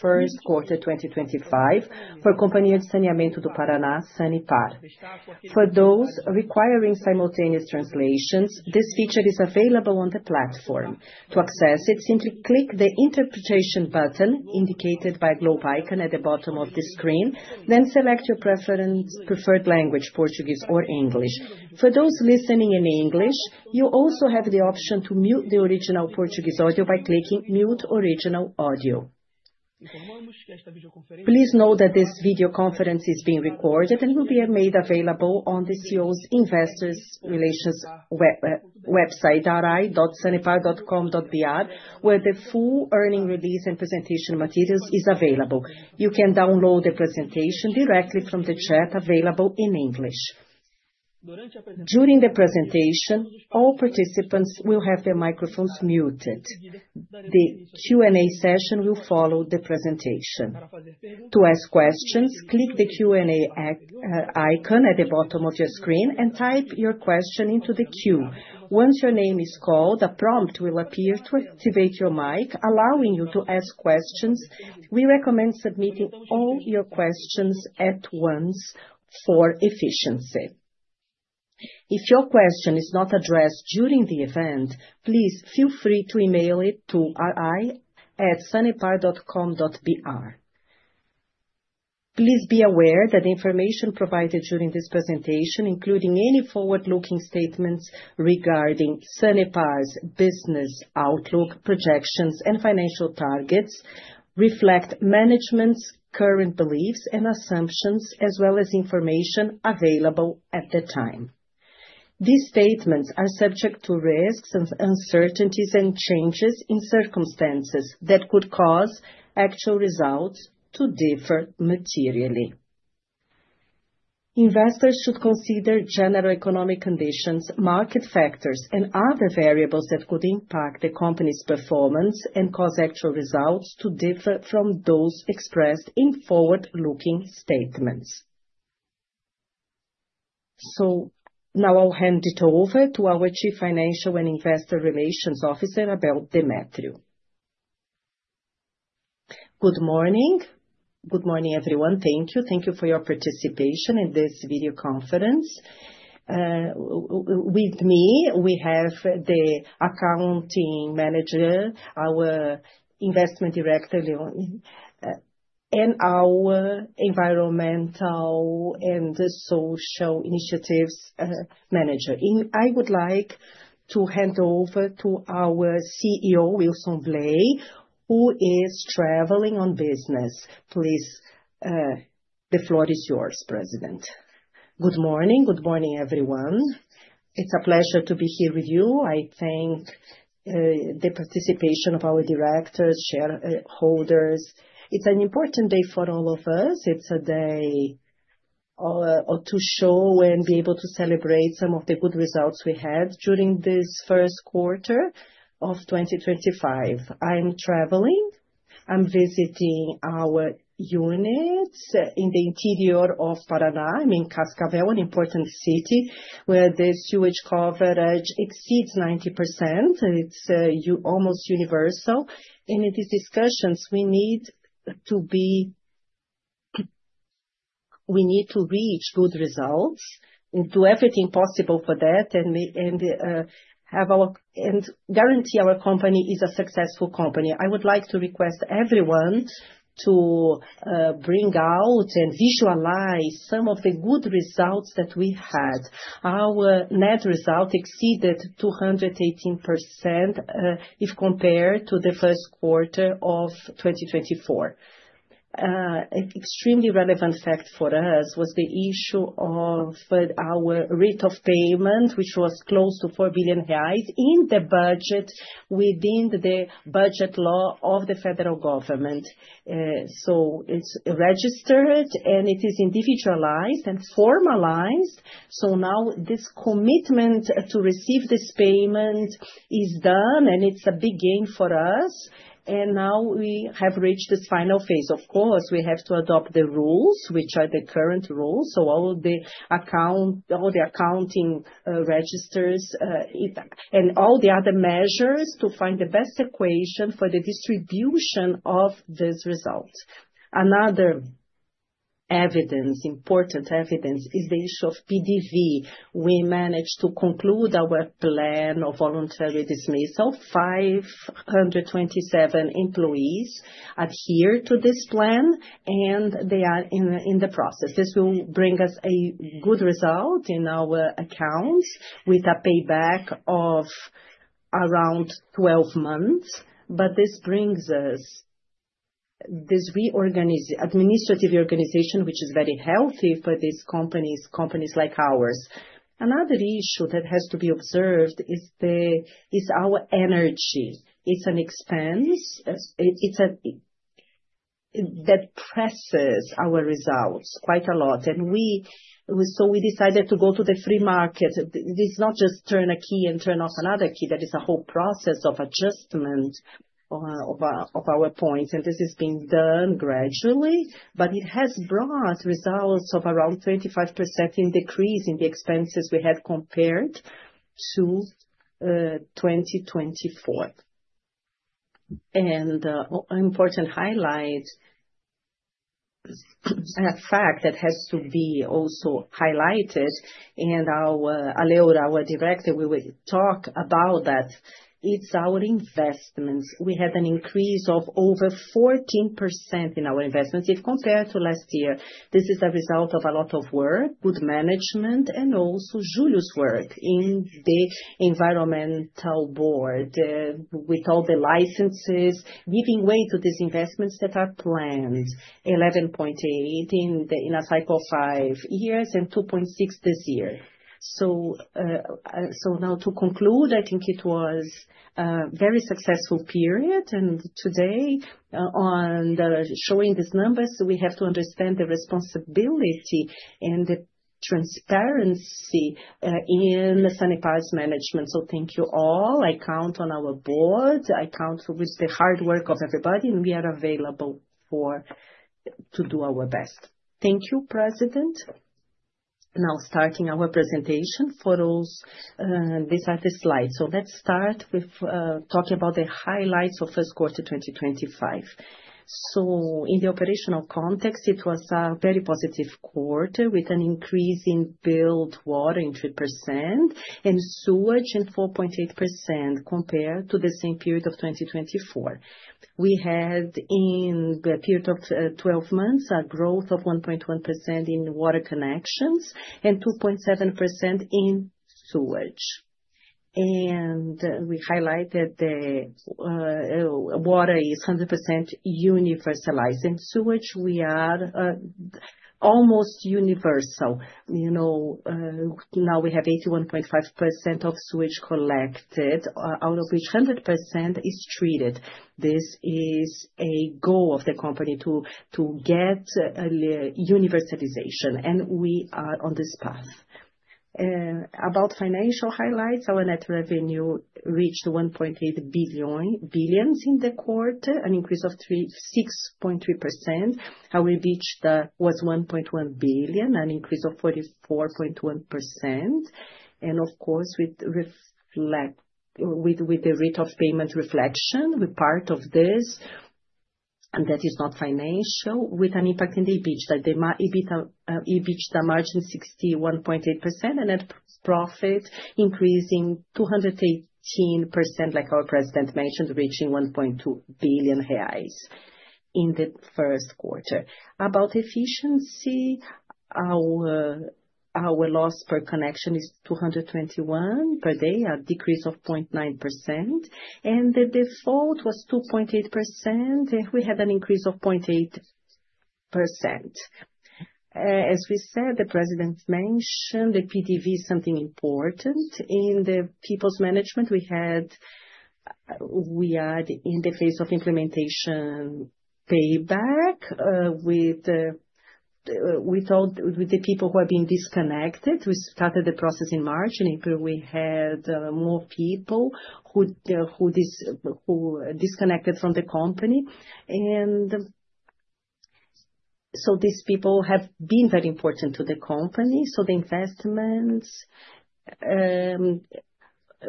First quater Companhia de Saneamento Sanepar. For those requiring simultaneous translations, this feature is available on the platform. To access it, simply click the Interpretation button indicated by a globe icon at the bottom of the screen, then select your preferred language: Portuguese or English. For those listening in English, you also have the option to mute the original Portuguese audio by clicking Mute Original Audio. Please note that this video conference is being recorded and will be made available on the CEO's Investors' Relations website, ri.sanepar.com.br, where the full earning release and presentation materials are available. You can download the presentation directly from the chat available in English. During the presentation, all participants will have their microphones muted. The Q&A session will follow the presentation. To ask questions, click the Q&A icon at the bottom of your screen and type your question into the queue. Once your name is called, a prompt will appear to activate your mic, allowing you to ask questions. We recommend submitting all your questions at once for efficiency. If your question is not addressed during the event, please feel free to email it to ri@sanepar.com.br. Please be aware that the information provided during this presentation, including any forward-looking statements regarding Sanepar's business outlook, projections, and financial targets, reflect management's current beliefs and assumptions, as well as information available at the time. These statements are subject to risks, uncertainties, and changes in circumstances that could cause actual results to differ materially. Investors should consider general economic conditions, market factors, and other variables that could impact the company's performance and cause actual results to differ from those expressed in forward-looking statements. I will hand it over to our Chief Financial and Investor Relations Officer, Abel Demétrio. Good morning. Good morning, everyone. Thank you. Thank you for your participation in this video conference. With me, we have the Accounting Manager, our Investment Director, and our Environmental and Social Initiatives Manager. I would like to hand over to our CEO, Wilson Blay, who is traveling on business. Please, the floor is yours, President. Good morning. Good morning, everyone. It's a pleasure to be here with you. I thank the participation of our directors, shareholders. It's an important day for all of us. It's a day to show and be able to celebrate some of the good results we had during this first quarter of 2025. I'm traveling. I'm visiting our units in the interior of Paraná. I'm in Cascavel, an important city where the sewage coverage exceeds 90%. It's almost universal. In these discussions, we need to reach good results and do everything possible for that and guarantee our company is a successful company. I would like to request everyone to bring out and visualize some of the good results that we had. Our net result exceeded 218% if compared to the first quarter of 2024. An extremely relevant fact for us was the issue of our rate of payment, which was close to 4 billion reais in the budget within the budget law of the federal government. It is registered and it is individualized and formalized. Now this commitment to receive this payment is done, and it is a big gain for us. We have reached this final phase. Of course, we have to adopt the rules, which are the current rules. All the account, all the accounting registers, and all the other measures to find the best equation for the distribution of this result. Another evidence, important evidence, is the issue of PDV. We managed to conclude our plan of voluntary dismissal. 527 employees adhered to this plan, and they are in the process. This will bring us a good result in our accounts with a payback of around 12 months. This brings us this reorganization, administrative reorganization, which is very healthy for these companies, companies like ours. Another issue that has to be observed is our energy. It is an expense. It is a that presses our results quite a lot. We decided to go to the free market. It is not just turn a key and turn off another key. That is a whole process of adjustment of our points. This has been done gradually, but it has brought results of around 25% in decrease in the expenses we had compared to 2024. An important highlight, a fact that has to be also highlighted, and Aleor, our director, we will talk about that. It's our investments. We had an increase of over 14% in our investments if compared to last year. This is a result of a lot of work, good management, and also Julio's work in the Environmental Board with all the licenses giving way to these investments that are planned: 11.8 in a cycle of five years and 2.6 this year. To conclude, I think it was a very successful period. Today, on showing these numbers, we have to understand the responsibility and the transparency in Sanepar's management. Thank you all. I count on our board. I count with the hard work of everybody, and we are available to do our best. Thank you, President. Now starting our presentation, photos, these are the slides. Let's start with talking about the highlights of first quarter 2025. In the operational context, it was a very positive quarter with an increase in billed water in 3% and sewage in 4.8% compared to the same period of 2024. We had in the period of 12 months a growth of 1.1% in water connections and 2.7% in sewage. We highlighted the water is 100% universalized. In sewage, we are almost universal. You know, now we have 81.5% of sewage collected, out of which 100% is treated. This is a goal of the company to get a universalization, and we are on this path. About financial highlights, our net revenue reached 1.8 billion in the quarter, an increase of 6.3%. Our EBITDA was 1.1 billion, an increase of 44.1%. Of course, with the rate of payment reflection, we are part of this, and that is not financial, with an impact in the EBITDA. EBITDA margin 61.8% and net profit increasing 218%, like our President mentioned, reaching 1.2 billion reais in the first quarter. About efficiency, our loss per connection is 221 per day, a decrease of 0.9%. The default was 2.8%, and we had an increase of 0.8%. As we said, the President mentioned the PDV is something important. In the people's management, we had, we are in the phase of implementation payback with the people who are being disconnected. We started the process in March, and we had more people who disconnected from the company. These people have been very important to the company. The investments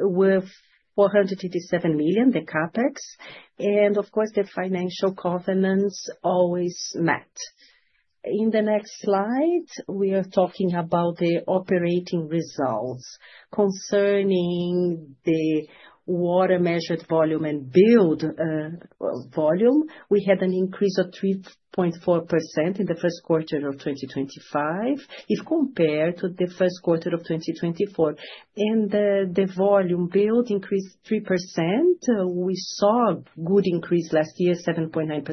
were 487 million, the CapEx. Of course, the financial covenants always met. In the next slide, we are talking about the operating results concerning the water measured volume and billed volume. We had an increase of 3.4% in the first quarter of 2025 if compared to the first quarter of 2024. The volume billed increased 3%. We saw a good increase last year, 7.9%.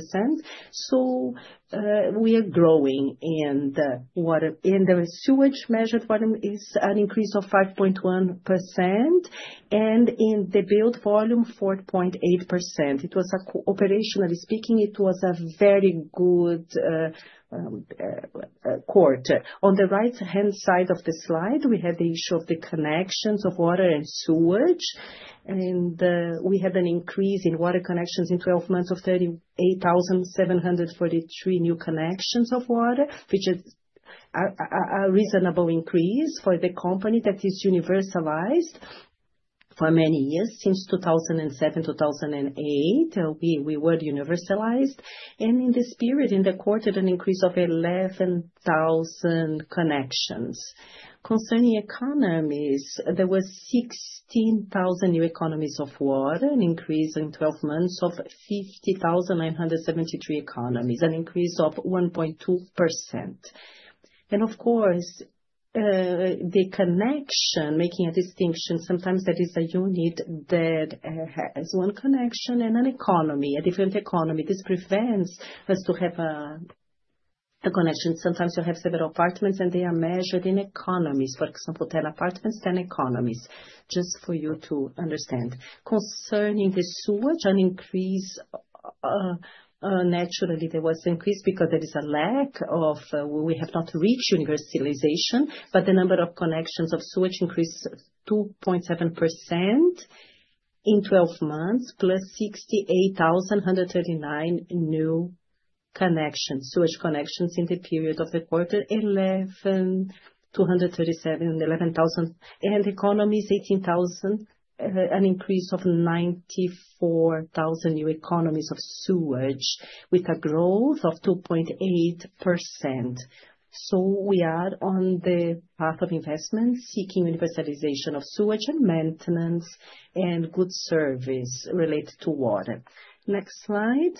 We are growing in water. The sewage measured volume is an increase of 5.1%. In the billed volume, 4.8%. Operationally speaking, it was a very good quarter. On the right-hand side of the slide, we had the issue of the connections of water and sewage. We had an increase in water connections in 12 months of 38,743 new connections of water, which is a reasonable increase for the company that is universalized for many years, since 2007, 2008. We were universalized. In this period, in the quarter, an increase of 11,000 connections. Concerning economies, there were 16,000 new economies of water, an increase in 12 months of 50,973 economies, an increase of 1.2%. Of course, the connection, making a distinction, sometimes there is a unit that has one connection and an economy, a different economy. This prevents us to have a connection. Sometimes you have several apartments, and they are measured in economies. For example, 10 apartments, 10 economies, just for you to understand. Concerning the sewage, an increase, naturally, there was an increase because there is a lack of, we have not reached universalization, but the number of connections of sewage increased 2.7% in 12 months, plus 68,139 new connections, sewage connections in the period of the quarter, 11,237, 11,000, and economies, 18,000, an increase of 94,000 new economies of sewage with a growth of 2.8%. We are on the path of investment seeking universalization of sewage and maintenance and good service related to water. Next slide.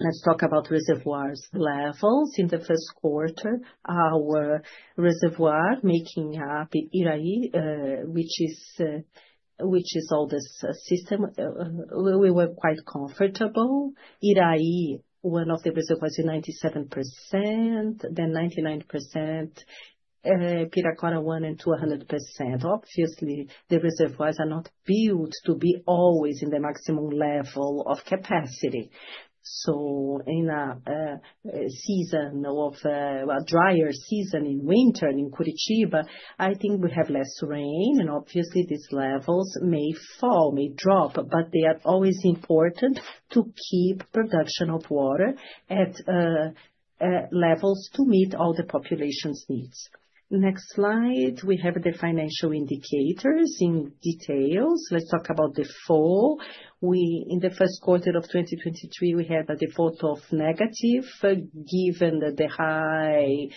Let's talk about reservoirs levels in the first quarter. Our reservoir making up Iraí, which is all this system, we were quite comfortable. Iraí, one of the reservoirs is 97%, then 99%, Piracora I and 200%. Obviously, the reservoirs are not built to be always in the maximum level of capacity. In a season of a drier season in winter in Curitiba, I think we have less rain. Obviously, these levels may fall, may drop, but they are always important to keep production of water at levels to meet all the population's needs. Next slide. We have the financial indicators in details. Let's talk about default. In the first quarter of 2023, we had a default of negative. Given the high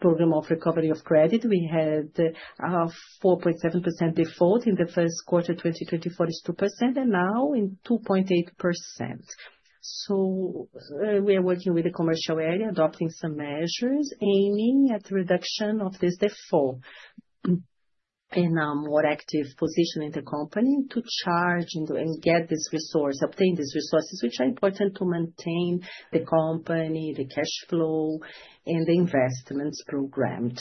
program of recovery of credit, we had a 4.7% default in the first quarter of 2024 is 2%, and now in 2.8%. We are working with the commercial area, adopting some measures aiming at reduction of this default and a more active position in the company to charge and get this resource, obtain these resources, which are important to maintain the company, the cash flow, and the investments programmed.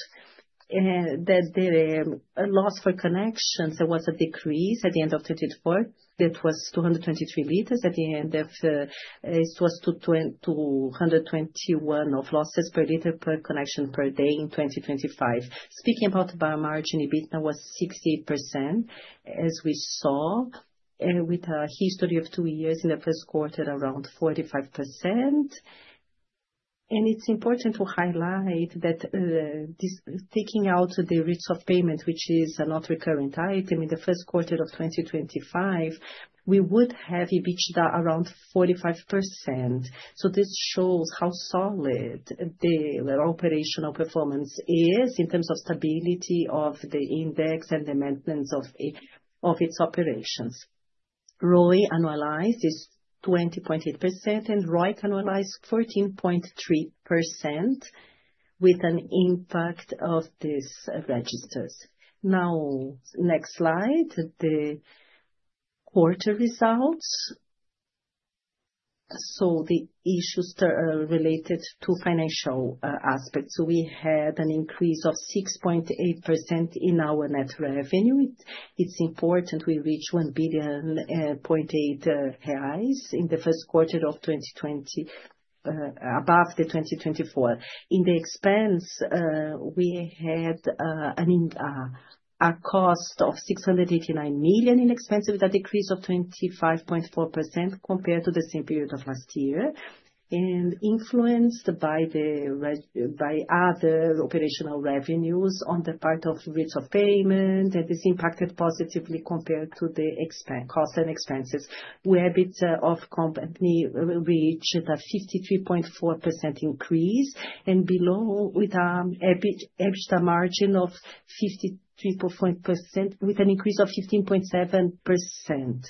The loss for connections, there was a decrease at the end of 2024. It was 223 L at the end of, it was 221 of losses per liter per connection per day in 2025. Speaking about biomargin, EBITDA was 68%, as we saw, with a history of two years in the first quarter around 45%. It is important to highlight that taking out the rates of payment, which is a non-recurrent item in the first quarter of 2025, we would have EBITDA around 45%. This shows how solid the operational performance is in terms of stability of the index and the maintenance of its operations. ROI annualized is 20.8%, and ROIC annualized 14.3% with an impact of these registers. Next slide, the quarter results. The issues related to financial aspects. We had an increase of 6.8% in our net revenue. It's important we reached 1.8 billion reais in the first quarter of 2020, above the 2024. In the expense, we had a cost of 689 million in expenses with a decrease of 25.4% compared to the same period of last year. Influenced by other operational revenues on the part of rates of payment, this impacted positively compared to the cost and expenses. We have a bit of company reached a 53.4% increase and below with an EBITDA margin of 53.4% with an increase of 15.7%.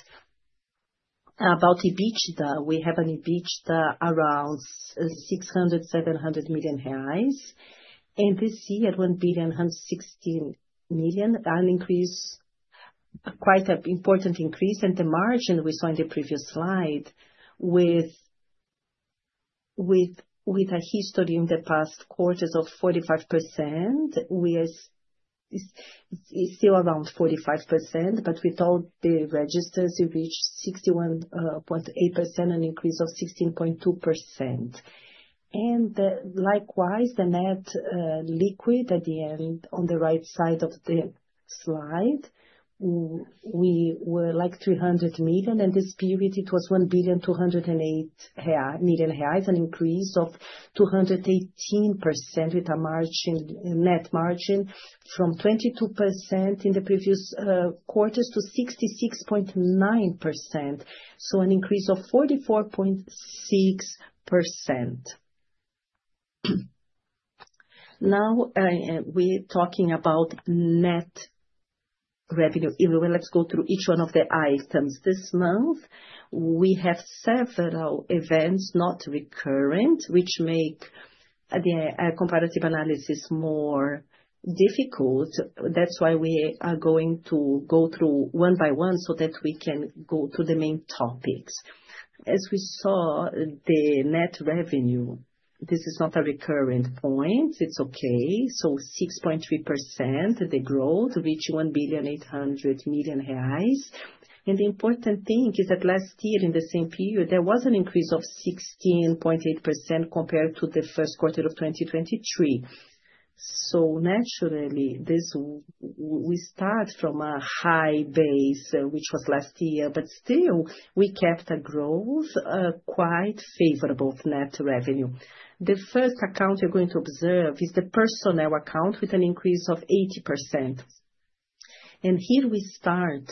About EBITDA, we have an EBITDA around 600 million-700 million reais. This year at 1.116 billion, an increase, quite an important increase. The margin we saw in the previous slide with a history in the past quarters of 45%. We are still around 45%, but with all the registers, we reached 61.8%, an increase of 16.2%. Likewise, the net liquid at the end on the right side of the slide, we were like 300 million. In this period, it was 1.208 billion, an increase of 218% with a net margin from 22% in the previous quarters to 66.9%. An increase of 44.6%. Now we're talking about net revenue. Let's go through each one of the items. This month, we have several events, not recurrent, which make the comparative analysis more difficult. That's why we are going to go through one by one so that we can go to the main topics. As we saw, the net revenue, this is not a recurrent point. It's okay. 6.3%, the growth reached 1.8 billion reais. The important thing is that last year, in the same period, there was an increase of 16.8% compared to the first quarter of 2023. Naturally, we start from a high base, which was last year, but still we kept a growth quite favorable of net revenue. The first account you're going to observe is the personnel account with an increase of 80%. Here we start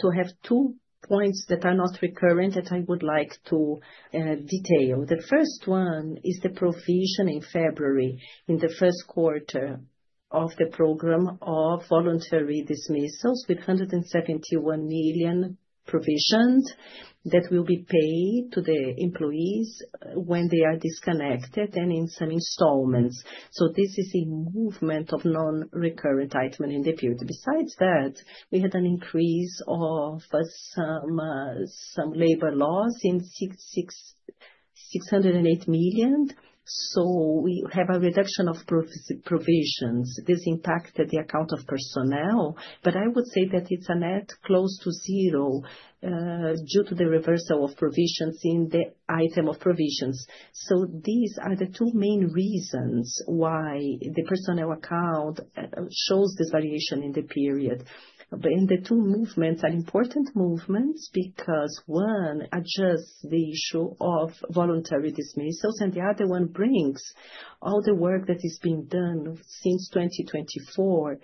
to have two points that are not recurrent that I would like to detail. The first one is the provision in February in the first quarter of the program of voluntary dismissals with 171 million provisions that will be paid to the employees when they are disconnected and in some installments. This is a movement of non-recurrent items in the period. Besides that, we had an increase of some labor loss in 608 million. We have a reduction of provisions. This impacted the account of personnel, but I would say that it's a net close to zero due to the reversal of provisions in the item of provisions. These are the two main reasons why the personnel account shows this variation in the period. The two movements are important movements because one adjusts the issue of voluntary dismissals, and the other one brings all the work that is being done since 2024.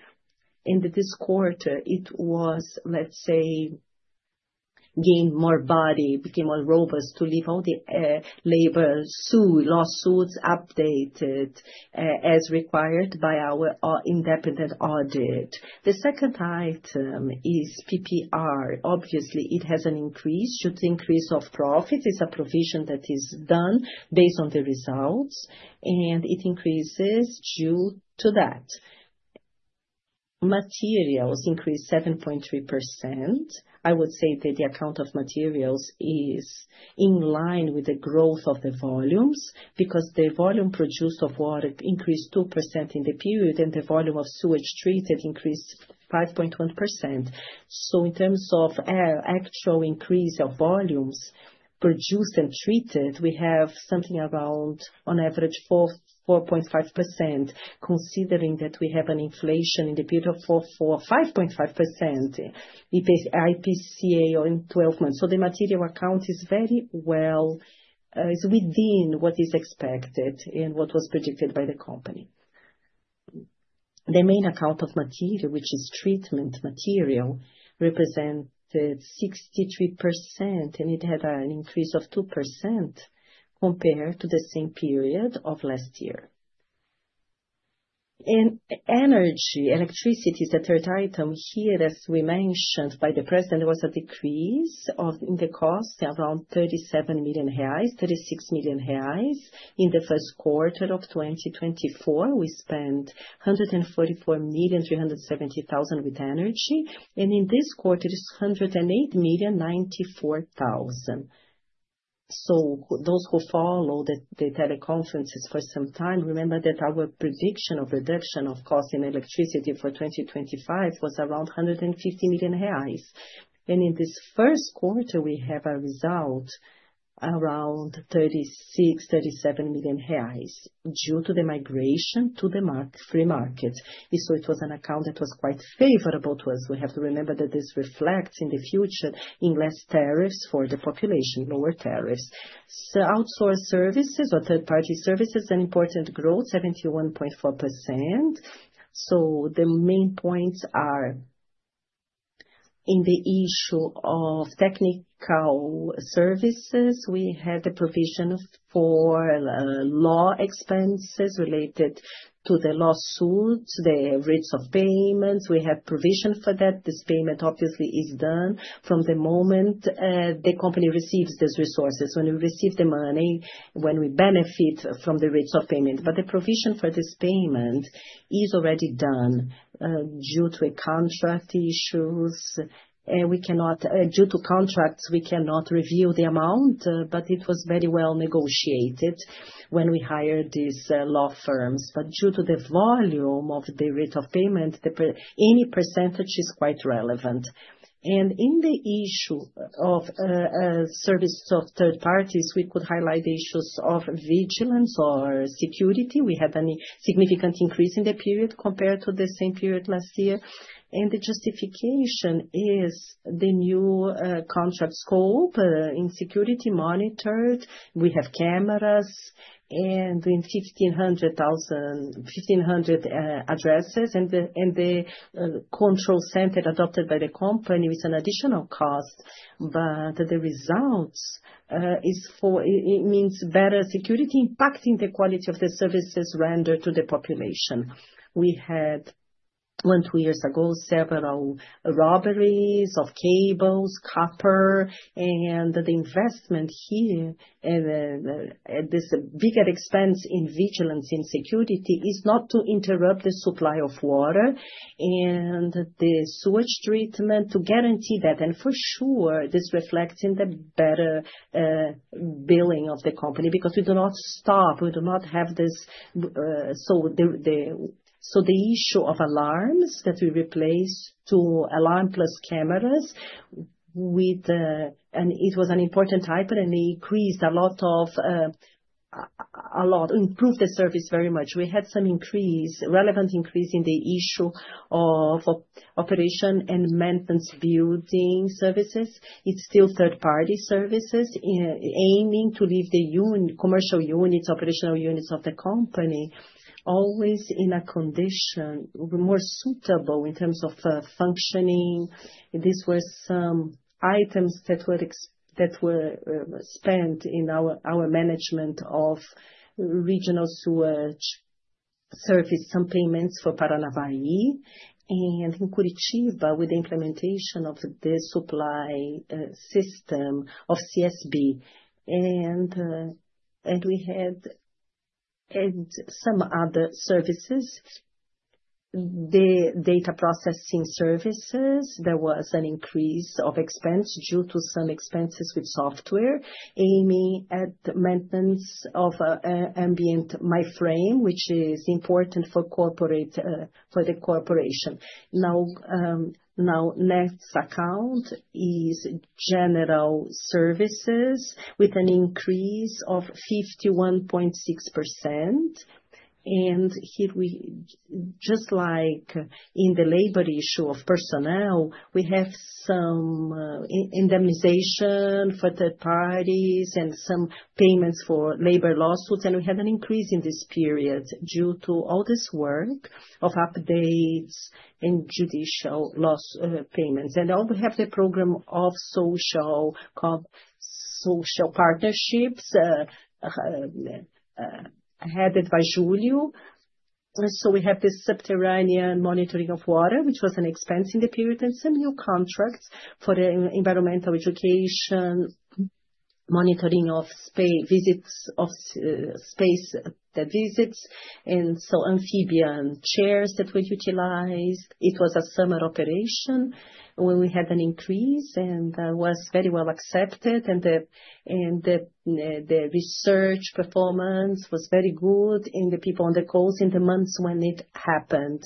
In this quarter, it was, let's say, gained more body, became more robust to leave all the labor lawsuits updated as required by our independent audit. The second item is PPR. Obviously, it has an increase due to increase of profit. It's a provision that is done based on the results, and it increases due to that. Materials increased 7.3%. I would say that the account of materials is in line with the growth of the volumes because the volume produced of water increased 2% in the period, and the volume of sewage treated increased 5.1%. In terms of actual increase of volumes produced and treated, we have something around, on average, 4.5%, considering that we have an inflation in the period of 5.5% IPCA in 12 months. The material account is very well, is within what is expected and what was predicted by the company. The main account of material, which is treatment material, represented 63%, and it had an increase of 2% compared to the same period of last year. Energy, electricity is a third item here, as mentioned by the President, there was a decrease in the cost around 37 million reais, 36 million reais in the first quarter of 2024. We spent 144,370,000 with energy, and in this quarter, it is 108,094,000. Those who followed the teleconferences for some time remember that our prediction of reduction of cost in electricity for 2025 was around 150 million reais. In this first quarter, we have a result around 36-37 million reais due to the migration to the free market. It was an account that was quite favorable to us. We have to remember that this reflects in the future in less tariffs for the population, lower tariffs. Outsource services or third-party services, an important growth, 71.4%. The main points are in the issue of technical services. We had the provision for law expenses related to the lawsuits, the rates of payments. We have provision for that. This payment obviously is done from the moment the company receives these resources, when we receive the money, when we benefit from the rates of payment. The provision for this payment is already done due to contract issues. Due to contracts, we cannot reveal the amount, but it was very well negotiated when we hired these law firms. Due to the volume of the rate of payment, any percentage is quite relevant. In the issue of services of third parties, we could highlight the issues of vigilance or security. We had a significant increase in the period compared to the same period last year. The justification is the new contract scope in security monitored. We have cameras and 1,500 addresses. The control center adopted by the company with an additional cost. The results mean better security impacting the quality of the services rendered to the population. We had, one or two years ago, several robberies of cables, copper. The investment here at this bigger expense in vigilance and security is not to interrupt the supply of water and the sewage treatment to guarantee that. For sure, this reflects in the better billing of the company because we do not stop. We do not have this. The issue of alarms that we replaced to alarm plus cameras, and it was an important item, and they increased a lot, improved the service very much. We had some relevant increase in the issue of operation and maintenance building services. It is still third-party services aiming to leave the commercial units, operational units of the company always in a condition more suitable in terms of functioning. This was some items that were spent in our management of regional sewage services, some payments for Paranavaí and in Curitiba with the implementation of the supply system of CSB. We had some other services, the data processing services. There was an increase of expense due to some expenses with software aiming at the maintenance of ambient mainframe, which is important for the corporation. Now, next account is general services with an increase of 51.6%. Here, just like in the labor issue of personnel, we have some indemnization for third parties and some payments for labor lawsuits. We had an increase in this period due to all this work of updates and judicial payments. Now we have the program of social partnerships headed by Julio. We have the subterranean monitoring of water, which was an expense in the period, and some new contracts for environmental education, monitoring of space, visits of space visits, and so amphibian chairs that were utilized. It was a summer operation where we had an increase and was very well accepted. The research performance was very good in the people on the calls in the months when it happened.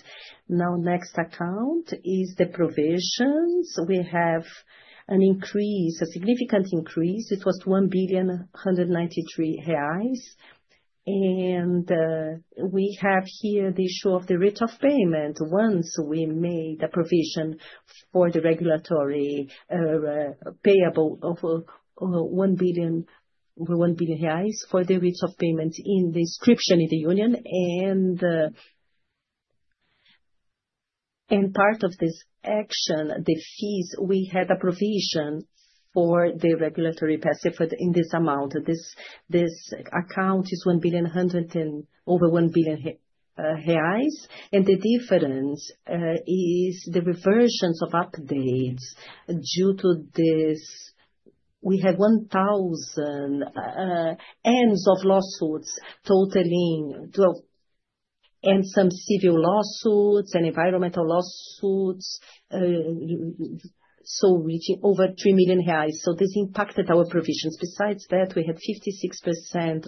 Now, next account is the provisions. We have an increase, a significant increase. It was 1.193 billion. We have here the issue of the rate of payment. Once we made the provision for the regulatory payable of 1 billion for the rates of payment in the inscription in the union. Part of this action, the fees, we had a provision for the regulatory passive in this amount. This account is 1 billion over 1 billion reais. The difference is the reversions of updates due to this. We have 1,000 ends of lawsuits totaling, and some civil lawsuits and environmental lawsuits, so reaching over 3 million reais. This impacted our provisions. Besides that, we had 56%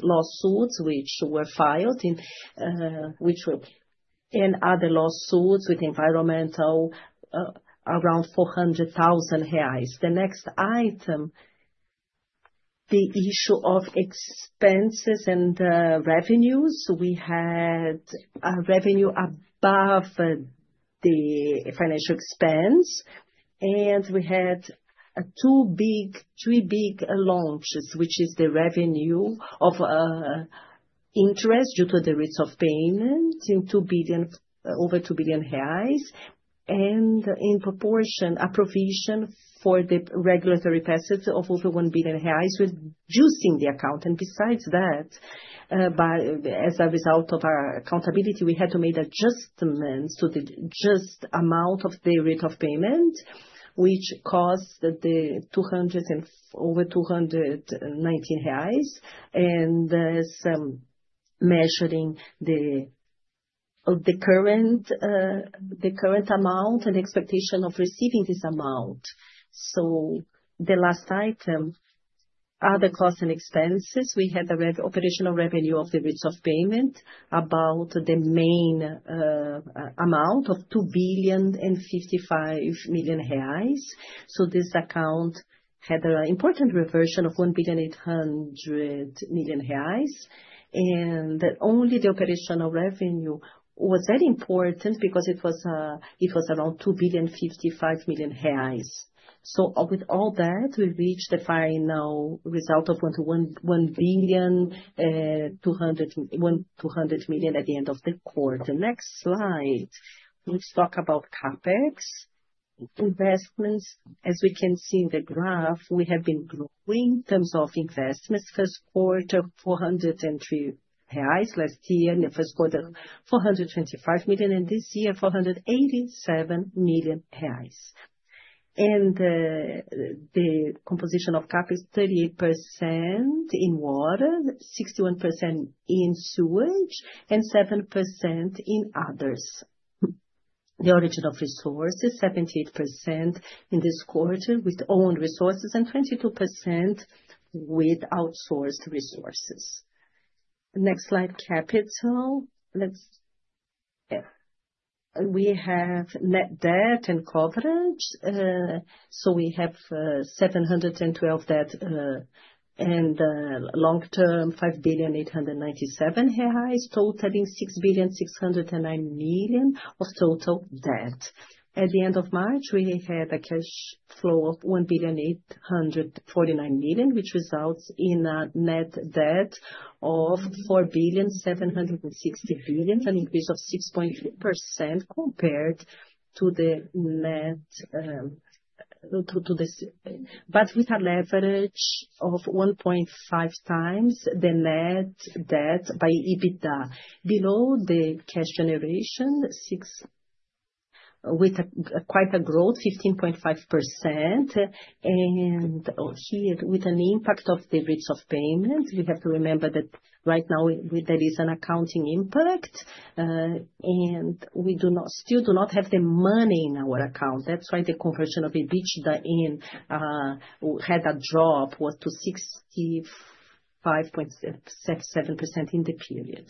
lawsuits which were filed and other lawsuits with environmental around 400,000 reais. The next item, the issue of expenses and revenues. We had revenue above the financial expense. We had three big launches, which is the revenue of interest due to the rates of payment in over 2 billion reais. In proportion, a provision for the regulatory passive of over 1 billion reais reducing the account. Besides that, as a result of our accountability, we had to make adjustments to the just amount of the rate of payment, which cost over BRL 219. Measuring the current amount and expectation of receiving this amount. The last item, other costs and expenses, we had the operational revenue of the rates of payment about the main amount of BRL 2,055,000,000. This account had an important reversion of 1,800,000,000 reais. Only the operational revenue was very important because it was around 2,055,000,000 reais. With all that, we reached the final result of 1,200,000,000 at the end of the quarter. Next slide. Let's talk about CapEx investments. As we can see in the graph, we have been growing in terms of investments. First quarter, 403,000,000 reais last year. In the first quarter, 425,000,000. This year, 487,000,000 reais. The composition of CapEx is 38% in water, 61% in sewage, and 7% in others. The origin of resources, 78% in this quarter with own resources and 22% with outsourced resources. Next slide, capital. We have net debt and coverage. So we have 712 million debt and long-term 5 billion 897 million totaling BRL 6,609,000,OOO million of total debt. At the end of March, we had a cash flow of 1,849,000,000 million, which results in a net debt of 4,760,000,000 million, an increase of 6.2% compared to the net, but with a leverage of 1.5xthe net debt by EBITDA. Below the cash generation, with quite a growth, 15.5%. Here, with an impact of the rates of payment, we have to remember that right now there is an accounting impact, and we still do not have the money in our account. That is why the conversion of EBITDA had a drop, was to 65.7% in the period.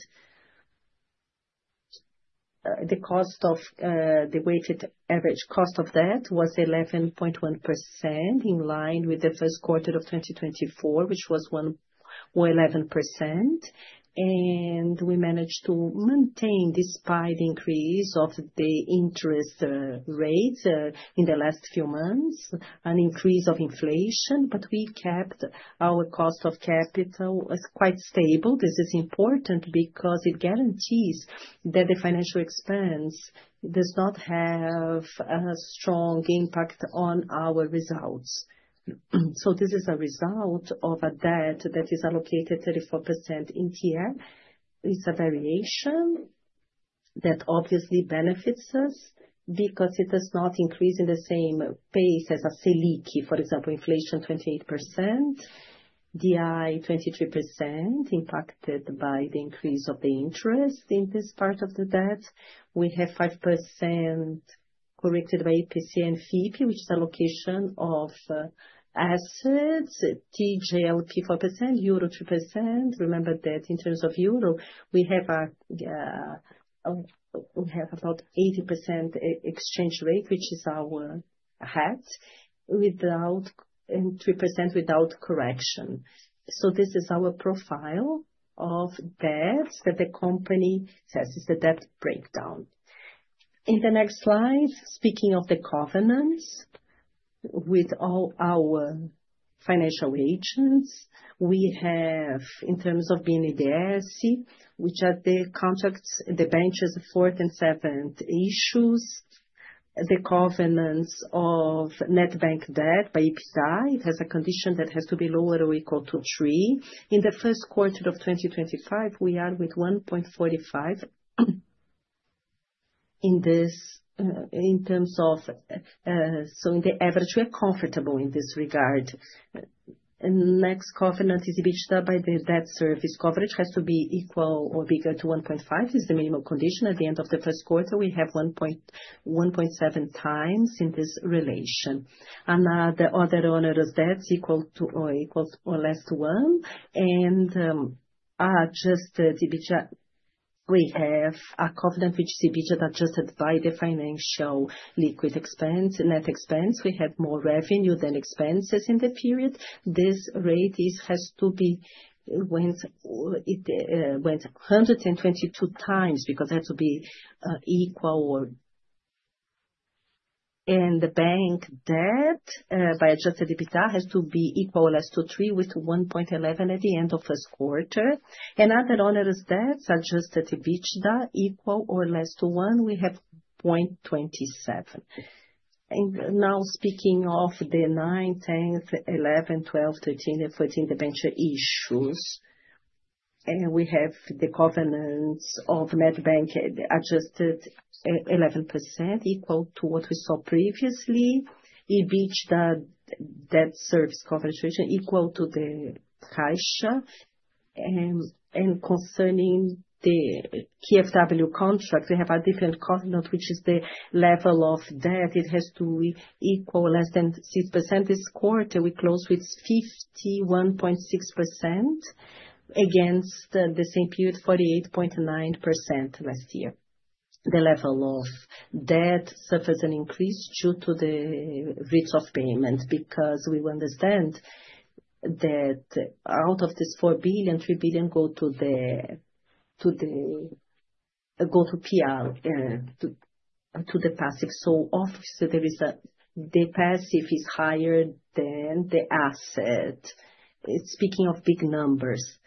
The cost of the weighted average cost of that was 11.1% in line with the first quarter of 2024, which was 11%. We managed to maintain despite the increase of the interest rates in the last few months, an increase of inflation, but we kept our cost of capital quite stable. This is important because it guarantees that the financial expense does not have a strong impact on our results. This is a result of a debt that is allocated 34% in TR. It is a variation that obviously benefits us because it does not increase in the same pace as a SELIC, for example, inflation 28%, DI 23% impacted by the increase of the interest in this part of the debt. We have 5% corrected by IPCA and FIPI, which is allocation of assets, TJLP 4%, Euro 3%. Remember that in terms of euro, we have about 80% exchange rate, which is our HAT, and 3% without correction. This is our profile of debts that the company has as a debt breakdown. In the next slide, speaking of the covenants with all our financial agents, we have in terms of BNDES, which are the contracts, the benches, the fourth and seventh issues, the covenants of net bank debt by EPI. It has a condition that has to be lower or equal to 3. In the first quarter of 2025, we are with 1.45 in terms of, so in the average are comfortable in this regard. Next covenant is EBITDA by the debt service coverage has to be equal or bigger to 1.5. It's the minimum condition. At the end of the first quarter, we have 1.7x in this relation. Another owner's debt is equal to or less to 1. And adjusted EBITDA, we have a covenant which is EBITDA adjusted by the financial liquid expense, net expense. We have more revenue than expenses in the period. This rate has to be 1.22x because it has to be equal or. And the bank debt by adjusted EBITDA has to be equal or less to 3 with 1.11 at the end of first quarter. And other owner's debts adjusted EBITDA equal or less to 1, we have 0.27. Now, speaking of the nine, 10, 11, 12, 13, and 14 debenture issues, and we have the covenants of net bank adjusted 11% equal to what we saw previously, EBITDA debt service coverage ratio equal to the cash. And concerning the KfW contract, we have a different covenant, which is the level of debt. It has to equal less than 6% this quarter. We closed with 51.6% against the same period, 48.9% last year. The level of debt suffers an increase due to the rates of payment because we understand that out of this 4 billion, 3 billion go to the PR, to the passive. Obviously, the passive is higher than the asset. Speaking of big numbers.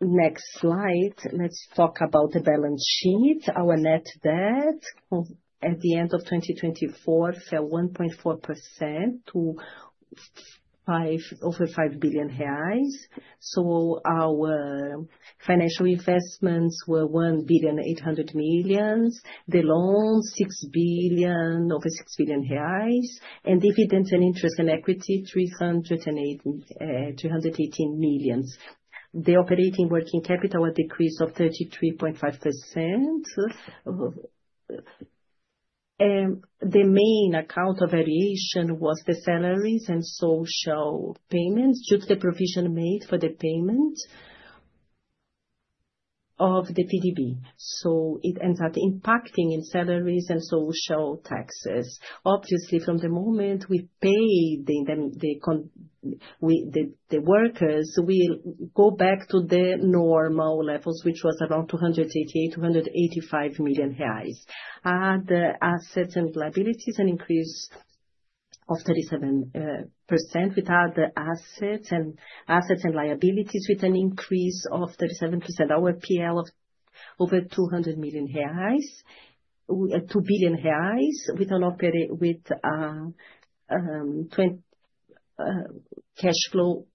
Next slide. Let's talk about the balance sheet. Our net debt at the end of 2024 fell 1.4% to over 5 billion reais. Our financial investments were 1.8 billion. The loans, 6 billion, over 6 billion reais. Dividends and interest and equity, 318 million. The operating working capital had a decrease of 33.5%. The main account of variation was the salaries and social payments due to the provision made for the payment of the PDV. It ends up impacting in salaries and social taxes. Obviously, from the moment we paid the workers, we go back to the normal levels, which was around 288 million, BRL 285 million. Add the assets and liabilities, an increase of 37%. With other assets and liabilities, with an increase of 37%, our PL of over 200 million reais, 2 billion reais, with cash flow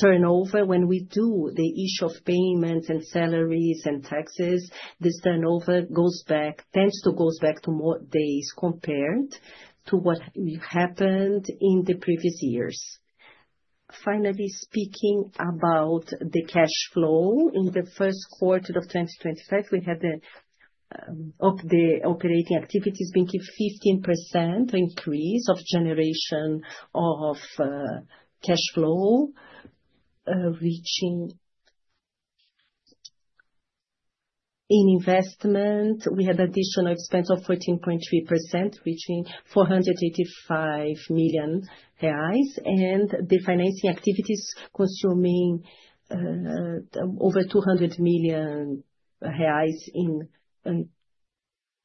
turnover. When we do the issue of payments and salaries and taxes, this turnover goes back, tends to go back to more days compared to what happened in the previous years. Finally, speaking about the cash flow, in the first quarter of 2025, we had the operating activities being 15% increase of generation of cash flow reaching. In investment, we had additional expense of 14.3%, reaching 485 million reais. The financing activities consuming over 200 million reais in.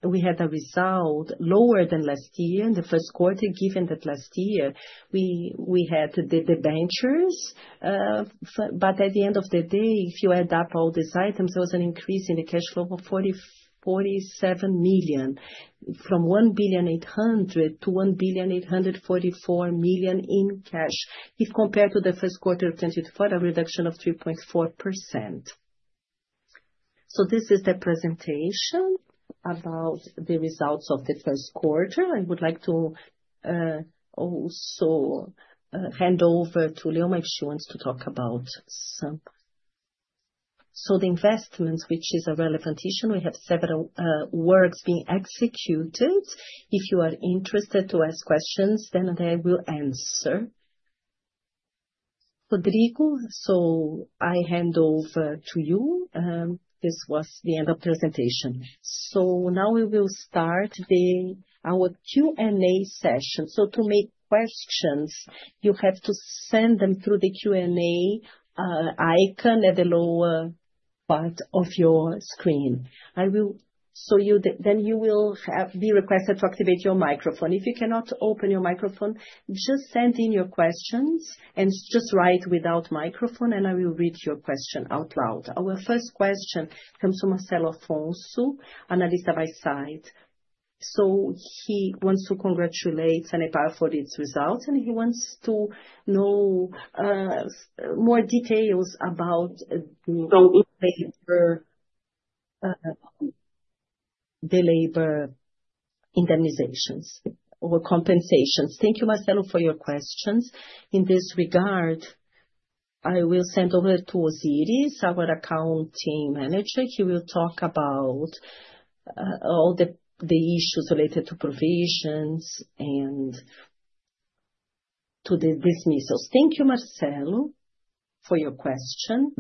We had a result lower than last year in the first quarter, given that last year we had the benchers. At the end of the day, if you add up all these items, there was an increase in the cash flow of 47 million from 1,800,000,000 million to 1,844,000,000 million in cash, if compared to the first quarter of 2024, a reduction of 3.4%. This is the presentation about the results of the first quarter. I would like to also hand over to Leura Lúcia if she wants to talk about some. The investments, which is a relevant issue, we have several works being executed. If you are interested to ask questions, then they will answer. Rodrigo, I hand over to you. This was the end of presentation. Now we will start our Q&A session. To make questions, you have to send them through the Q&A icon at the lower part of your screen. You will be requested to activate your microphone. If you cannot open your microphone, just send in your questions and just write without microphone, and I will read your question out loud. Our first question comes from Marcelo Fonso, analyst by side. He wants to congratulate Sanepar for its results, and he wants to know more details about the labor indemnizations or compensations. Thank you, Marcelo, for your questions. In this regard, I will send over to Osiris, our Accounting Manager. He will talk about all the issues related to provisions and to the dismissals. Thank you, Marcelo, for your question.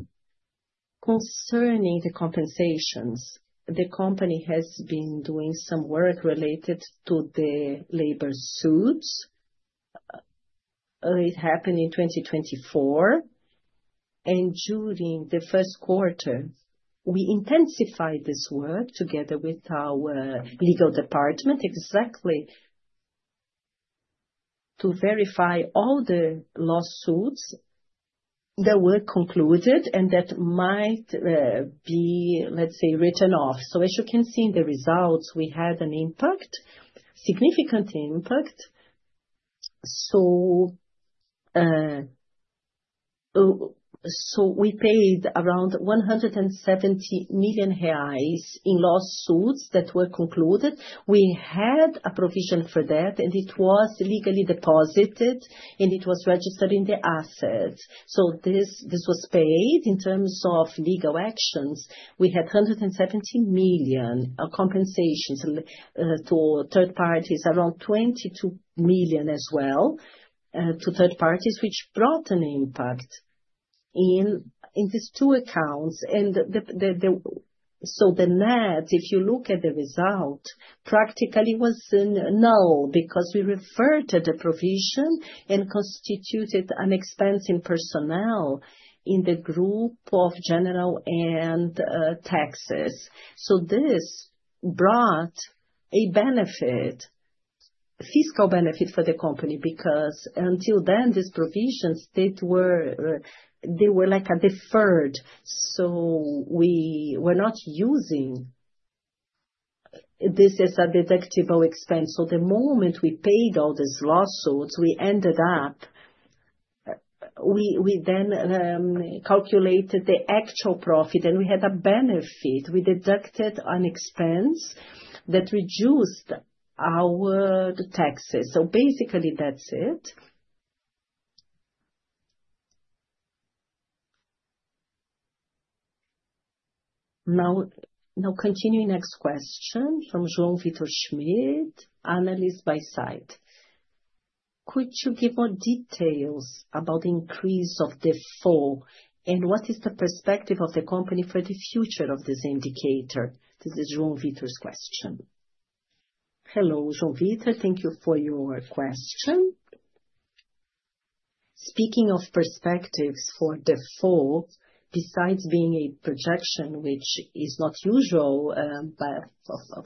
Concerning the compensations, the company has been doing some work related to the labor suits. It happened in 2024. During the first quarter, we intensified this work together with our legal department exactly to verify all the lawsuits that were concluded and that might be, let's say, written off. As you can see in the results, we had an impact, significant impact. We paid around 170 million reais in lawsuits that were concluded. We had a provision for that, and it was legally deposited, and it was registered in the assets. This was paid. In terms of legal actions, we had 170 million compensations to third parties, around 22 million as well to third parties, which brought an impact in these two accounts. The net, if you look at the result, practically was null because we referred to the provision and constituted an expense in personnel in the group of general and taxes. This brought a benefit, fiscal benefit for the company because until then, these provisions, they were like a deferred. We were not using this as a deductible expense. The moment we paid all these lawsuits, we then calculated the actual profit, and we had a benefit. We deducted an expense that reduced our taxes. Basically, that's it. Now, continuing, next question from João Vítor Schmidt, analyst by side. Could you give more details about the increase of the full and what is the perspective of the company for the future of this indicator? This is João Vítor's question. Hello, João Vítor. Thank you for your question. Speaking of perspectives for the full, besides being a projection, which is not usual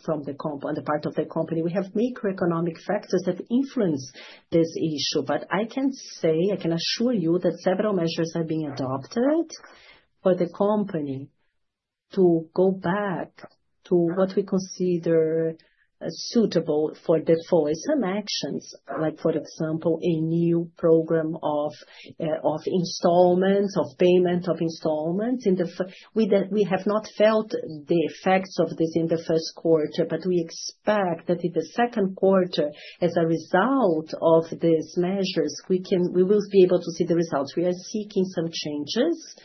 from the part of the company, we have macroeconomic factors that influence this issue. I can say, I can assure you that several measures are being adopted for the company to go back to what we consider suitable for the full. Some actions, like for example, a new program of installments, of payment of installments. We have not felt the effects of this in the first quarter, but we expect that in the second quarter, as a result of these measures, we will be able to see the results. We are seeking some changes,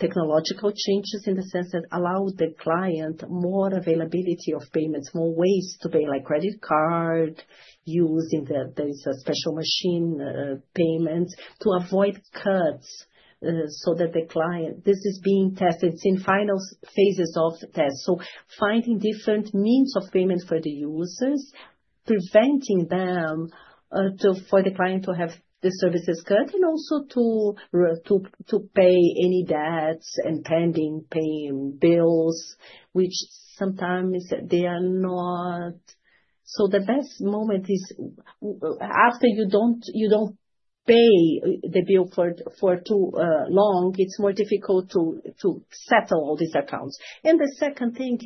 technological changes in the sense that allow the client more availability of payments, more ways to pay, like credit card using a special machine payment, to avoid cuts so that the client, this is being tested. It's in final phases of test. Finding different means of payment for the users, preventing them for the client to have the services cut and also to pay any debts and pending bills, which sometimes they are not. The best moment is after you do not pay the bill for too long, it is more difficult to settle all these accounts. The second thing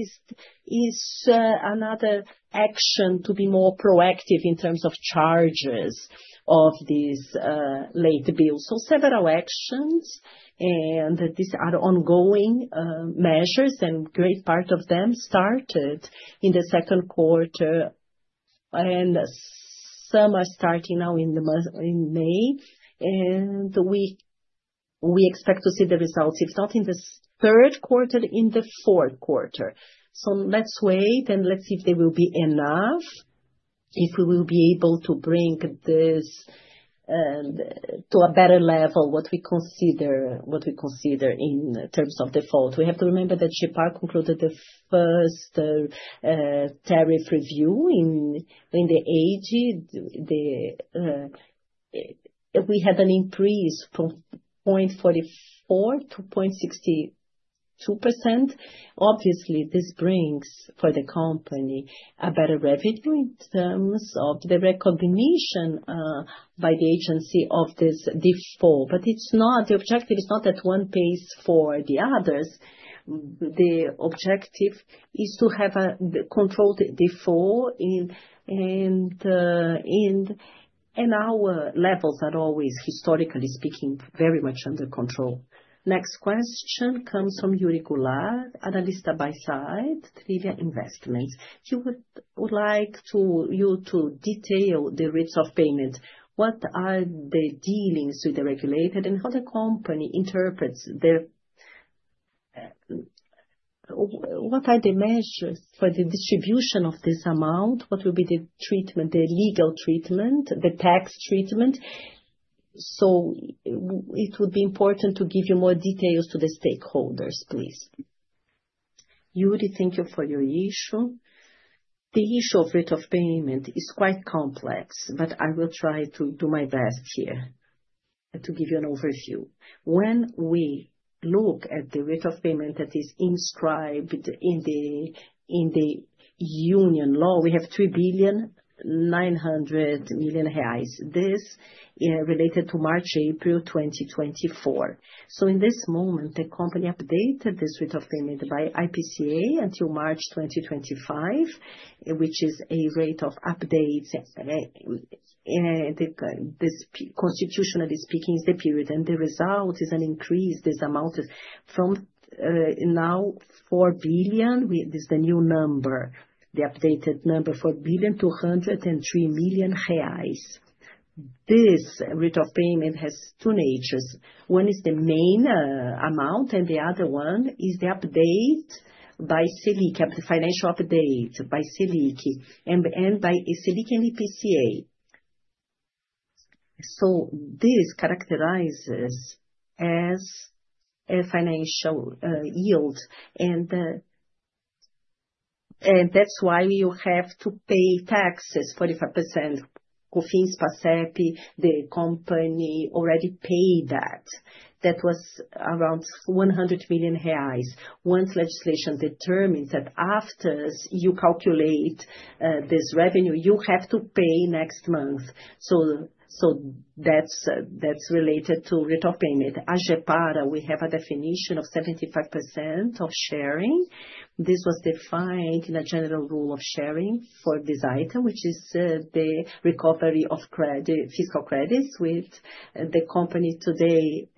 is another action to be more proactive in terms of charges of these late bills. Several actions, and these are ongoing measures, and a great part of them started in the second quarter, and some are starting now in May. We expect to see the results, if not in the third quarter, in the fourth quarter. Let's wait and see if there will be enough, if we will be able to bring this to a better level, what we consider in terms of default. We have to remember that AGEPAR concluded the first tariff review in the AGEPAR. We had an increase from 0.44% to 0.62%. Obviously, this brings for the company a better revenue in terms of the recognition by the agency of this default. The objective is not that one pays for the others. The objective is to have a controlled default, and our levels are always, historically speaking, very much under control. Next question comes from Yuri Gullar, analyst by side, Truva Investments. He would like you to detail the rates of payment. What are the dealings with the regulator and how the company interprets the what are the measures for the distribution of this amount? What will be the treatment, the legal treatment, the tax treatment? It would be important to give you more details to the stakeholders, please. Yuri, thank you for your issue. The issue of rate of payment is quite complex, but I will try to do my best here to give you an overview. When we look at the rate of payment that is inscribed in the union law, we have 3.9 billion. This related to March, April 2024. In this moment, the company updated this rate of payment by IPCA until March 2025, which is a rate of updates. Constitutionally speaking, it is the period. The result is an increase. This amount is from now 4 billion. This is the new number, the updated number, BRL 4.203 billion. This rate of payment has two natures. One is the main amount, and the other one is the update by SELIC, the financial update by SELIC and by SELIC and IPCA. This characterizes as a financial yield. That is why you have to pay taxes, 45% of fees per SEPI. The company already paid that. That was around 100 million reais. Once legislation determines that after you calculate this revenue, you have to pay next month. That is related to rate of payment. AGEPAR, we have a definition of 75% of sharing. This was defined in a general rule of sharing for this item, which is the recovery of fiscal credits with the company today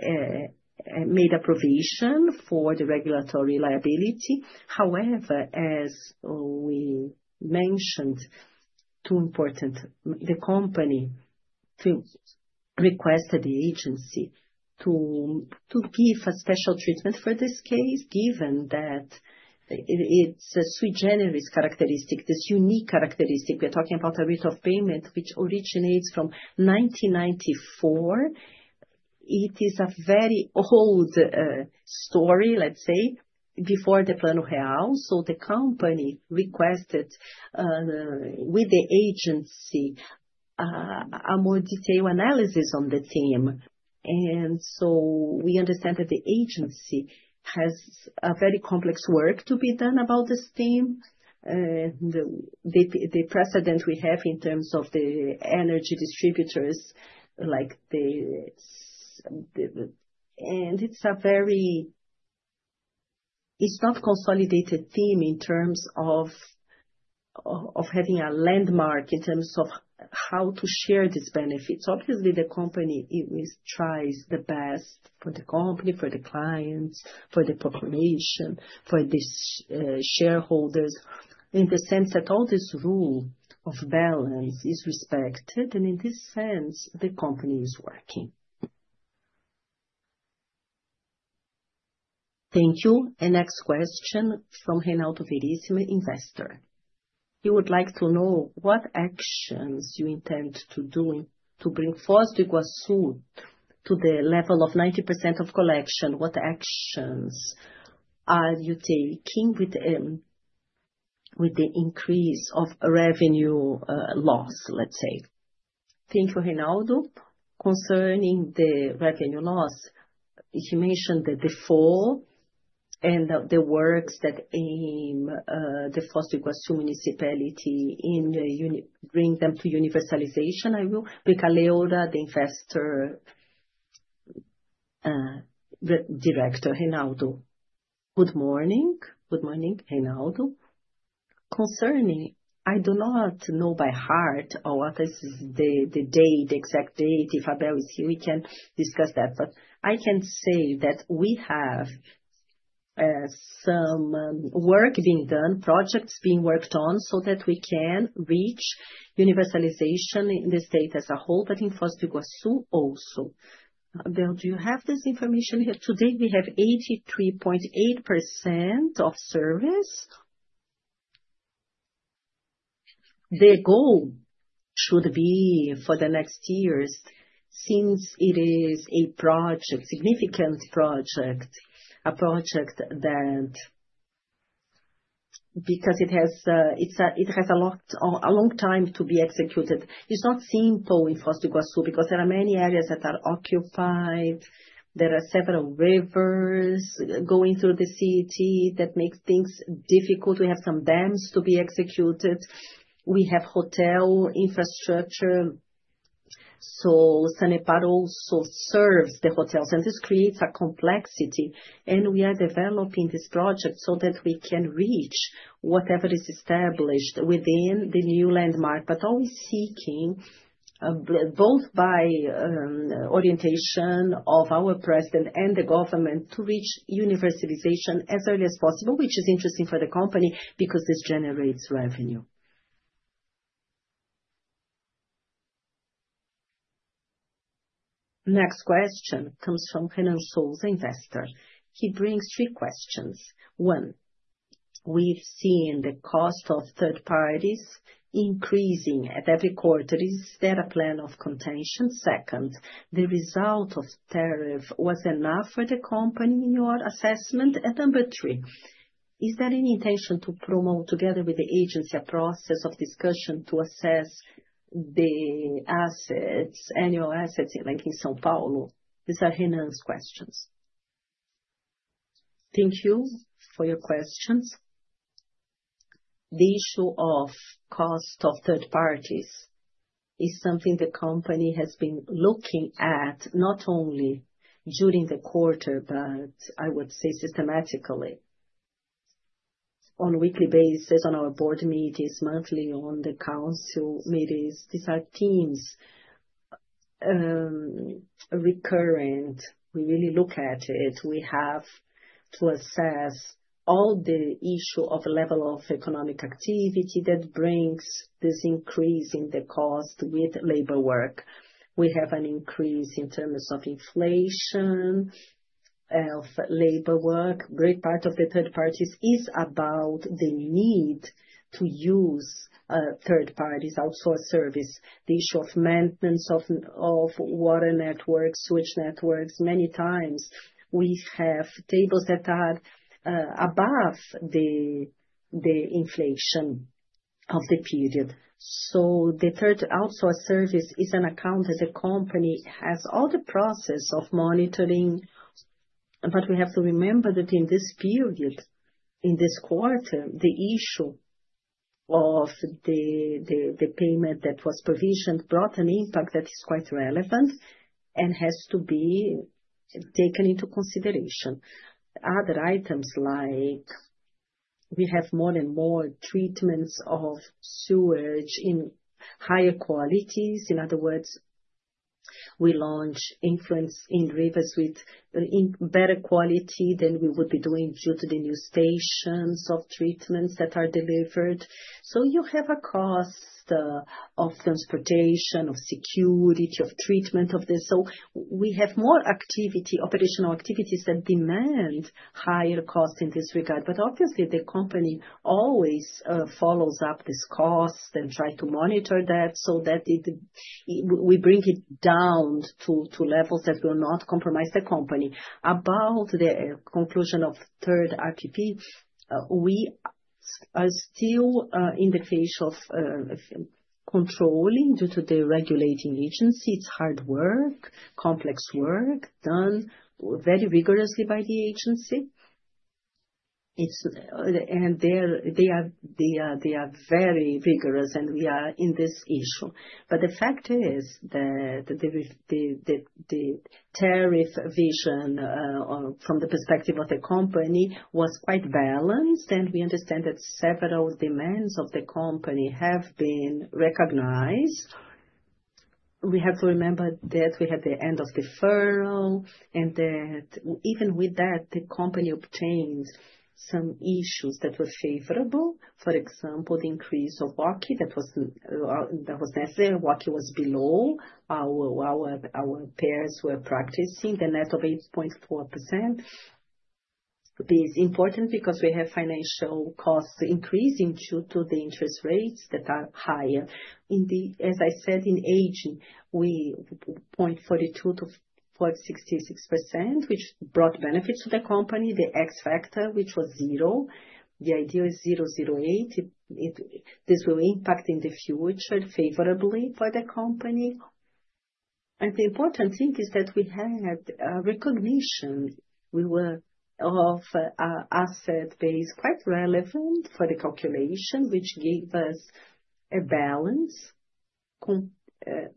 made a provision for the regulatory liability. However, as we mentioned, two important, the company requested the agency to give a special treatment for this case, given that it is a sui generis characteristic, this unique characteristic. We are talking about a rate of payment which originates from 1994. It is a very old story, let's say, before the Plano Real. The company requested with the agency a more detailed analysis on the theme. We understand that the agency has a very complex work to be done about this theme. The precedent we have in terms of the energy distributors, like the. It is a very, it is not consolidated theme in terms of having a landmark in terms of how to share these benefits. Obviously, the company tries the best for the company, for the clients, for the population, for the shareholders. In the sense that all this rule of balance is respected, and in this sense, the company is working. Thank you. Next question from Reinaldo Verissimo, investor. He would like to know what actions you intend to do to bring forward the gross suit to the level of 90% of collection. What actions are you taking with the increase of revenue loss, let's say? Thank you, Reinaldo. Concerning the revenue loss, he mentioned the default and the works that aim the forced request to municipality in bringing them to universalization. I will bring Leura, the Investor Director, Reinaldo. Good morning. Good morning, Reinaldo. Concerning, I do not know by heart or what is the date, the exact date. If Abel is here, we can discuss that. I can say that we have some work being done, projects being worked on so that we can reach universalization in the state as a whole, but in forced request to also. Abel, do you have this information here? Today, we have 83.8% of service. The goal should be for the next years, since it is a project, significant project, a project that, because it has a long time to be executed, it is not simple in forced request to because there are many areas that are occupied. There are several rivers going through the city that make things difficult. We have some dams to be executed. We have hotel infrastructure. Sanepar also serves the hotels, and this creates a complexity. We are developing this project so that we can reach whatever is established within the new landmark, always seeking both by orientation of our President and the government to reach universalization as early as possible, which is interesting for the company because this generates revenue. Next question comes from Renan Souls, investor. He brings three questions. One, we've seen the cost of third parties increasing at every quarter. Is there a plan of contention? Second, the result of tariff was enough for the company in your assessment? And number three, is there any intention to promote together with the agency a process of discussion to assess the assets, annual assets in São Paulo? These are Renan's questions. Thank you for your questions. The issue of cost of third parties is something the company has been looking at not only during the quarter, but I would say systematically. On a weekly basis, in our board meetings, monthly in the council meetings, these are themes recurrent. We really look at it. We have to assess all the issue of level of economic activity that brings this increase in the cost with labor work. We have an increase in terms of inflation of labor work. A great part of the third parties is about the need to use third parties, outsource service, the issue of maintenance of water networks, sewage networks. Many times, we have tables that are above the inflation of the period. So the third outsource service is an account as the company has all the process of monitoring. We have to remember that in this period, in this quarter, the issue of the payment that was provisioned brought an impact that is quite relevant and has to be taken into consideration. Other items like we have more and more treatments of sewage in higher qualities. In other words, we launch effluent in rivers with better quality than we would be doing due to the new stations of treatments that are delivered. You have a cost of transportation, of security, of treatment of this. We have more operational activities that demand higher costs in this regard. Obviously, the company always follows up this cost and tries to monitor that so that we bring it down to levels that will not compromise the company. About the conclusion of third RPP, we are still in the phase of controlling due to the regulating agency. It's hard work, complex work done very rigorously by the agency. They are very rigorous, and we are in this issue. The fact is that the tariff vision from the perspective of the company was quite balanced, and we understand that several demands of the company have been recognized. We have to remember that we had the end of deferral, and that even with that, the company obtained some issues that were favorable. For example, the increase of WACI that was necessary. WACI was below our peers were practicing, the net of 8.4%. It is important because we have financial costs increasing due to the interest rates that are higher. As I said, in aging, we 0.4%-0.66%, which brought benefits to the company, the X factor, which was zero. The idea is 0.08. This will impact in the future favorably for the company. The important thing is that we had recognition of asset base quite relevant for the calculation, which gave us a balance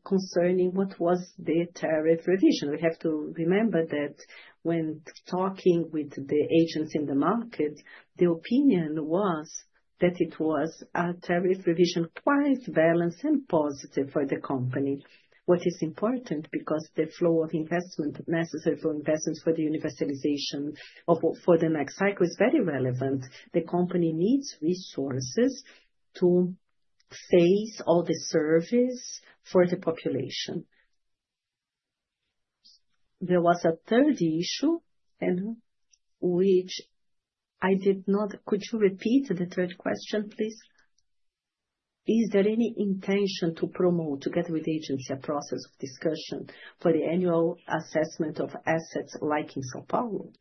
concerning what was the tariff revision. We have to remember that when talking with the agents in the market, the opinion was that it was a tariff revision quite balanced and positive for the company. What is important because the flow of investment necessary for investments for the universalization for the next cycle is very relevant. The company needs resources to face all the service for the population. There was a third issue, which I did not—could you repeat the third question, please? Is there any intention to promote, together with the agency, a process of discussion for the annual assessment of assets like in São Paulo?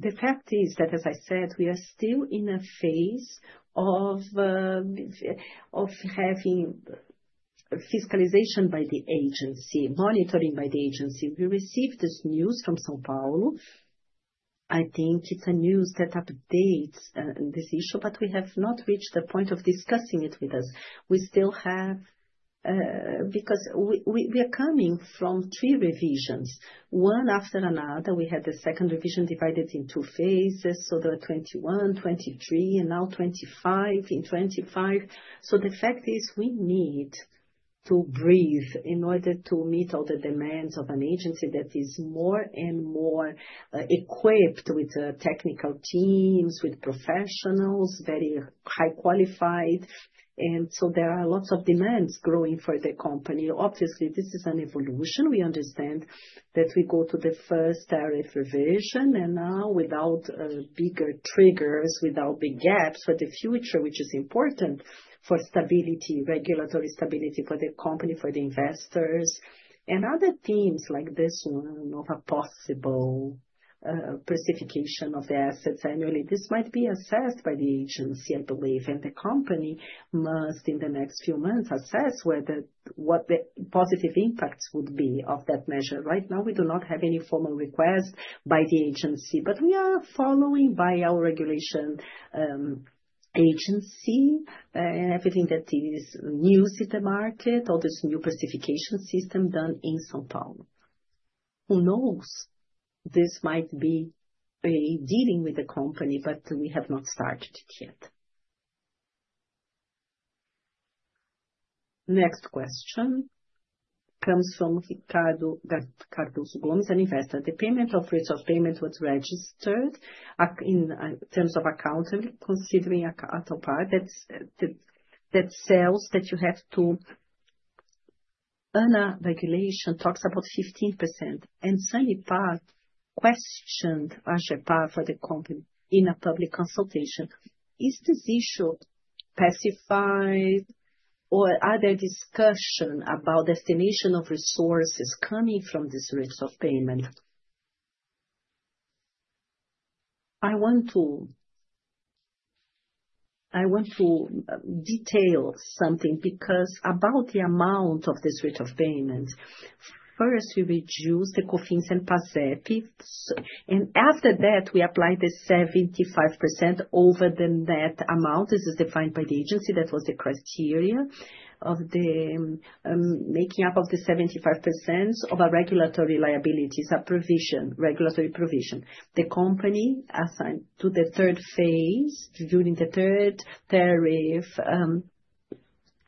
The fact is that, as I said, we are still in a phase of having fiscalization by the agency, monitoring by the agency. We received this news from São Paulo. I think it's a news that updates this issue, but we have not reached the point of discussing it with us. We still have—because we are coming from three revisions. One after another, we had the second revision divided in two phases. So there were 2021, 2023, and now 2025 in 2025. The fact is we need to breathe in order to meet all the demands of an agency that is more and more equipped with technical teams, with professionals, very high qualified. There are lots of demands growing for the company. Obviously, this is an evolution. We understand that we go to the first tariff revision, and now without bigger triggers, without big gaps for the future, which is important for stability, regulatory stability for the company, for the investors. Other themes like this one of a possible precification of the assets annually. This might be assessed by the agency, I believe, and the company must, in the next few months, assess what the positive impacts would be of that measure. Right now, we do not have any formal request by the agency, but we are following by our regulation agency and everything that is news in the market, all this new precification system done in São Paulo. Who knows? This might be dealing with the company, but we have not started it yet. Next question comes from Ricardo. Ricardo Gomes, an investor. The payment of rates of payment was registered in terms of accounting, considering at all parts that sells that you have to earn a regulation talks about 15%. And Sanepar questioned AGEPAR for the company in a public consultation. Is this issue pacified, or are there discussions about the estimation of resources coming from this rates of payment? I want to detail something because about the amount of this rate of payment, first, we reduce the COFINS and PASEP. And after that, we apply the 75% over the net amount. This is defined by the agency. That was the criteria of the making up of the 75% of regulatory liabilities, a provision, regulatory provision. The company assigned to the third phase during the third tariff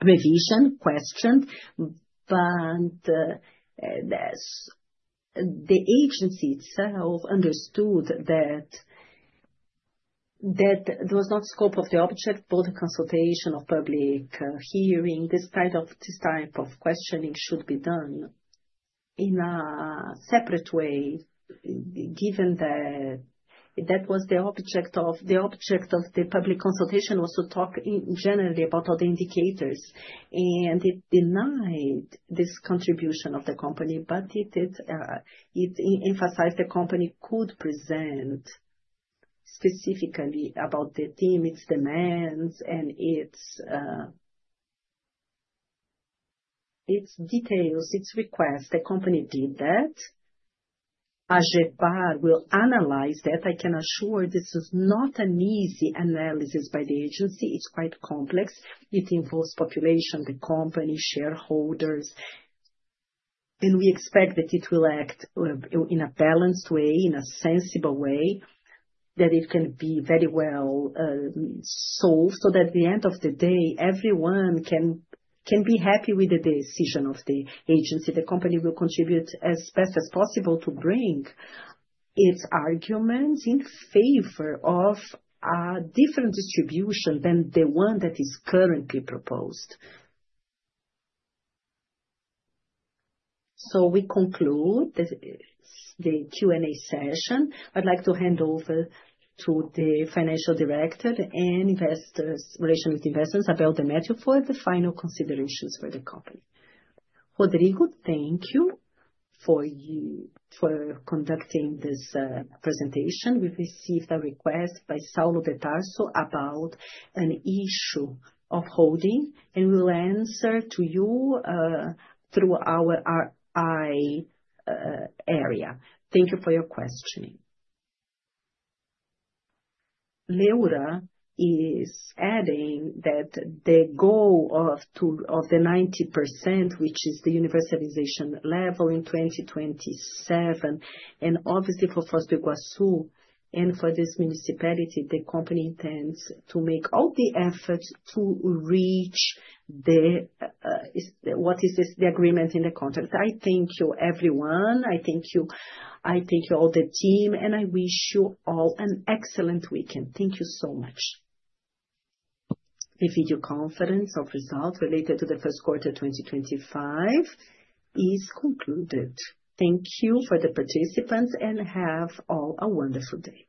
revision questioned, but the agencies understood that that was not the scope of the object, both consultation of public hearing. This type of questioning should be done in a separate way, given that that was the object of the public consultation, was to talk generally about all the indicators. It denied this contribution of the company, but it emphasized the company could present specifically about the team, its demands, and its details, its request. The company did that. AGEPAR will analyze that. I can assure this is not an easy analysis by the agency. It is quite complex. It involves population, the company, shareholders. We expect that it will act in a balanced way, in a sensible way, that it can be very well solved so that at the end of the day, everyone can be happy with the decision of the agency. The company will contribute as best as possible to bring its arguments in favor of a different distribution than the one that is currently proposed. We conclude the Q&A session. I'd like to hand over to the Financial Director and Investor Relations Officer, Abel Demétrio, for the final considerations for the company. Rodrigo, thank you for conducting this presentation. We received a request by Saulo Bertarso about an issue of holding, and we'll answer to you through our I area. Thank you for your questioning. Leura is adding that the goal of the 90%, which is the universalization level in 2027, and obviously for Foz do Iguaçu and for this municipality, the company intends to make all the efforts to reach what is the agreement in the contract. I thank you, everyone. I thank you all the team, and I wish you all an excellent weekend. Thank you so much. The video conference of results related to the first quarter 2025 is concluded. Thank you for the participants and have all a wonderful day.